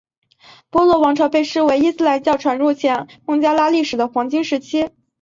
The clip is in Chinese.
波罗王朝被视为伊斯兰教传入前孟加拉历史的黄金时期。